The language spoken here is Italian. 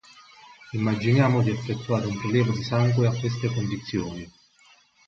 Immaginiamo di effettuare un prelievo di sangue a queste condizioni.